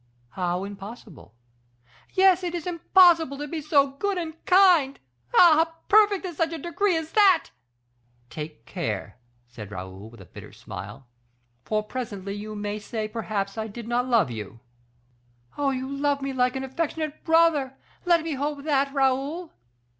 "How, impossible?" "Yes, it is impossible to be so good, and kind, ah! perfect to such a degree as that." "Take care!" said Raoul, with a bitter smile, "for presently you may say perhaps I did not love you." "Oh! you love me like an affectionate brother; let me hope that, Raoul."